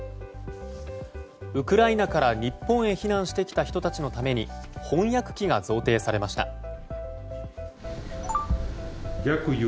ウクライナから日本へ避難してきた人たちのために翻訳機が贈呈されました。